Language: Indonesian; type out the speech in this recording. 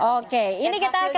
oke ini kita akan